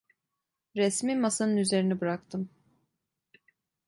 Resmi masanın üzerine bıraktım.